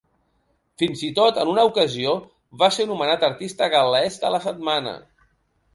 Fins i tot, en una ocasió, va ser nomenat artista gal·lès de la setmana.